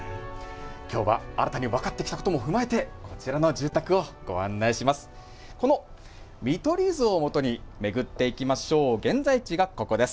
きょうは新たに分かってきたことも踏まえて、こちらの住宅をご案内します。